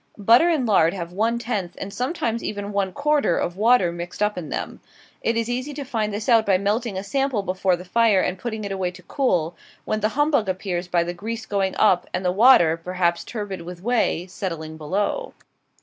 Butter and lard have one tenth, and sometimes even one quarter, of water mixed up in them. It is easy to find this out by melting a sample before the fire and putting it away to cool, when the humbug appears by the grease going up, and the water, perhaps turbid with whey, settling below.